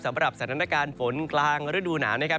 สำหรับสถานการณ์ฝนกลางฤดูหนาวนะครับ